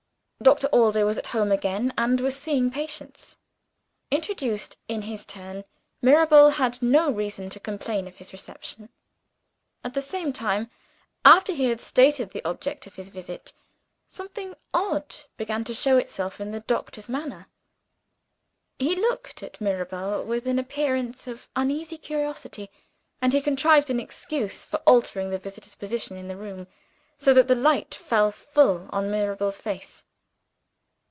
Doctor Allday was at home again, and was seeing patients. Introduced in his turn, Mirabel had no reason to complain of his reception. At the same time, after he had stated the object of his visit, something odd began to show itself in the doctor's manner. He looked at Mirabel with an appearance of uneasy curiosity; and he contrived an excuse for altering the visitor's position in the room, so that the light fell full on Mirabel's face.